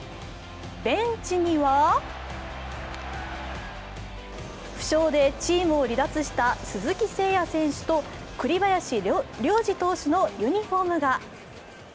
ベンチには負傷でチームを離脱した鈴木誠也選手と栗林良吏投手のユニフォームが。